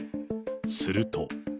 すると。